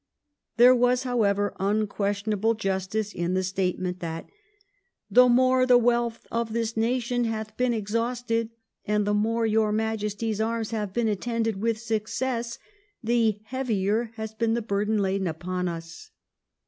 There was, however, unques tionable justice in the statement that * the more the wealth of this nation hath been exhausted, and the more your Majesty's arms have been attended with success, the heavier has been the burden laden upon us.'